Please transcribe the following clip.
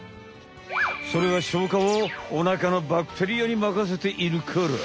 それは消化をおなかのバクテリアにまかせているから。